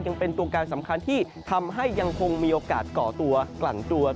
ยังเป็นตัวการสำคัญที่ทำให้ยังคงมีโอกาสก่อตัวกลั่นตัว